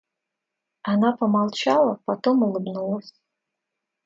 Она помолчала, потом улыбнулась.